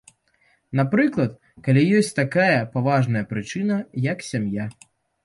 Напрыклад, калі ёсць такая паважная прычына, як сям'я.